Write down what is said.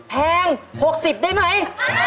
แพง๖๐ได้ไหม